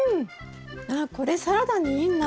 ああこれサラダにいいな。